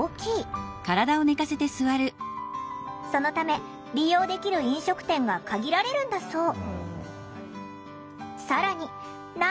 そのため利用できる飲食店が限られるんだそう。